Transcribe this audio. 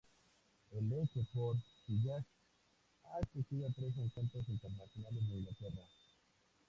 El Leigh Sports Village ha acogido a tres encuentros internacionales de Inglaterra.